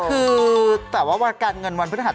คือแต่ว่าการเงินวันพฤหัส